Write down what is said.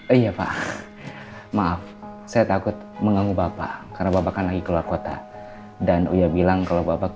iya pak maaf saya takut mengangguk bapak karena bapak lagi keluar kota dan uya bilang kalau bapak